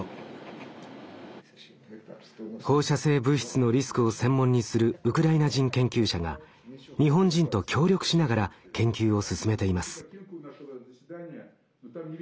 放射性物質のリスクを専門にするウクライナ人研究者が日本人と協力しながら研究を進めています。